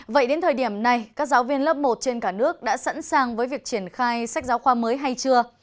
vậy đến thời điểm này các giáo viên lớp một trên cả nước đã sẵn sàng với việc triển khai sách giáo khoa mới hay chưa